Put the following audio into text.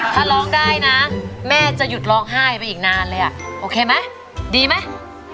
ถ้าร้องได้นะแม่จะหยุดร้องไห้ไปอีกนานเลยอ่ะโอเคไหมดีไหม